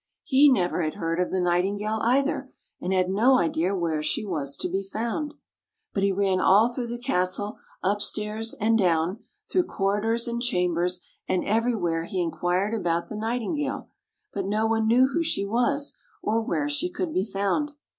He never had heard of the Nightingale, either, and had no idea where she was to be found. But he ran all through the castle, up stairs and down, through corridors and chambers, and everywhere he inquired about the Night ingale. But no one knew who she was, or where she could be found.